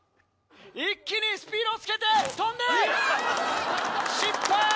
一気にスピードをつけて跳んで失敗！